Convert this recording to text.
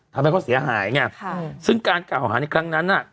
ทำให้เขาเสียหายเนี่ยซึ่งการกล่าวอาหารในครั้งนั้น